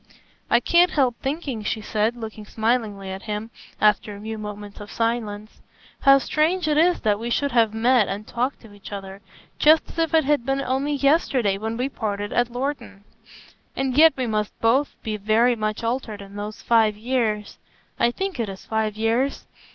"I can't help thinking," she said, looking smilingly at him, after a few moments of silence, "how strange it is that we should have met and talked to each other, just as if it had been only yesterday when we parted at Lorton. And yet we must both be very much altered in those five years,—I think it is five years.